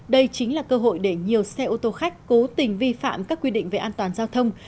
đây chính là cơ hội để nhiều xe ô tô khách cố tình vi phạm các quy định về an toàn giao thông